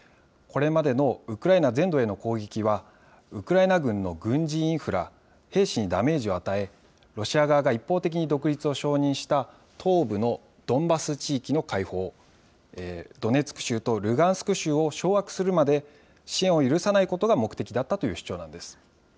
これまでのウクライナ全土への攻撃は、ウクライナ軍の軍事インフラ、兵士にダメージを与え、ロシア側が一方的に独立を承認した東部のドンバス地域の解放、ドネツク州とルガンスク州を掌握するまで支援を許さないことが目的だったという主張なんです。